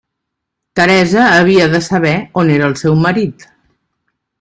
Teresa havia de saber on era el seu marit.